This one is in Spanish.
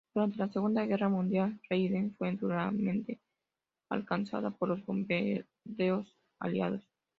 Durante la Segunda Guerra Mundial, Leiden fue duramente alcanzada por los bombardeos aliados.